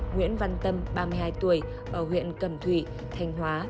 nguyễn văn tâm ba mươi hai tuổi ở huyện cầm thủy thanh hóa